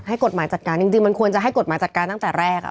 ให้กฎหมายจัดการจริงมันควรจะให้กฎหมายจัดการตั้งแต่แรก